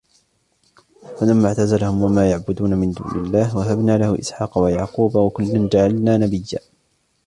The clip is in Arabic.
فَلَمَّا اعْتَزَلَهُمْ وَمَا يَعْبُدُونَ مِنْ دُونِ اللَّهِ وَهَبْنَا لَهُ إِسْحَاقَ وَيَعْقُوبَ وَكُلًّا جَعَلْنَا نَبِيًّا